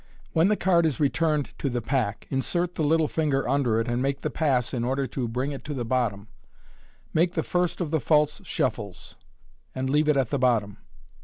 When the card is returned to the pack, insert the little finger under it, and make the pass in order to Oring it to the bottom Make the first of the false shuffles {see page i3), and leave it at the bottom.